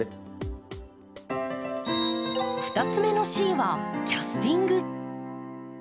２つ目の「Ｃ」は「キャスティング」。